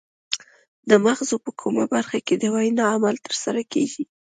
د مغزو په کومه برخه کې د وینا عمل ترسره کیږي